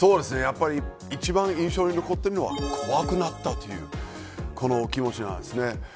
一番印象に残っているのは怖くなったというこの気持ちなんですね。